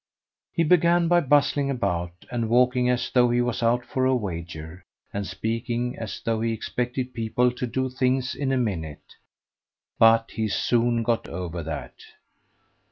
He began by bustling about, and walking as though he was out for a wager, and speaking as though he expected people to do things in a minute; but he soon got over that.